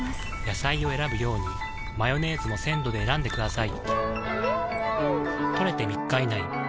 野菜を選ぶようにマヨネーズも鮮度で選んでくださいん！